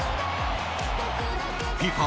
ＦＩＦＡ